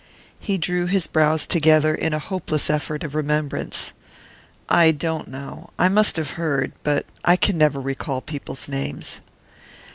He drew his brows together in a hopeless effort of remembrance. "I don't know I must have heard but I never can recall people's names."